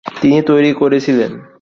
তিনি তৈরি করেছিলেন ।